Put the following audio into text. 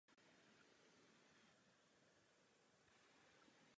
Slave umožní pokračování komunikace po provedení tohoto operace.